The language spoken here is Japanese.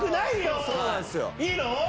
いいの？